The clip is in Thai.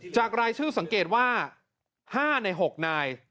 รายชื่อสังเกตว่า๕ใน๖นาย